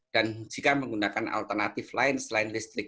dan jika menggunakan alternatif lain selain listrik